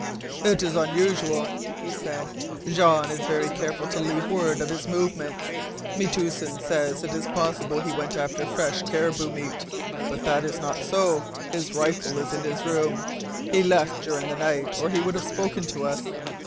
"It is unusual," he said. "Jean is very careful to leave word of his movements. Metoosin says it is possible he went after fresh caribou meat. But that is not so. His rifle is in his room. He left during the night, or he would have spoken to us.